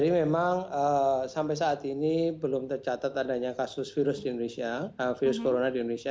jadi memang sampai saat ini belum tercatat adanya kasus virus di indonesia virus corona di indonesia